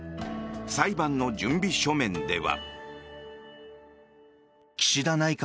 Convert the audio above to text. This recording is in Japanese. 裁判の準備書面では。